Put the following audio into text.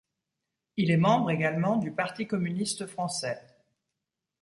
Il est membre également du Parti Communiste Français.